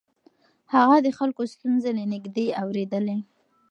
هغه د خلکو ستونزې له نږدې اورېدلې.